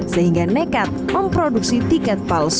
sehingga nekat memproduksi tiket palsu